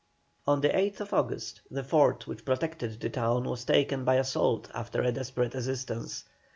On the 8th August the fort which protected the town was taken by assault after a desperate resistance.